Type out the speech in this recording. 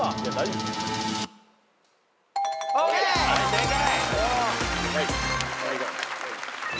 正解。